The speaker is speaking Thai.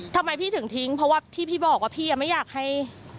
ทำไมพี่ถึงทิ้งเพราะว่าที่พี่บอกว่าพี่ไม่อยากให้